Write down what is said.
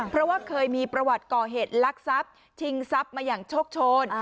เพราะว่าเคยมีประวัติก่อเหตุลักษัพชิงทรัพย์มาอย่างโชคโชน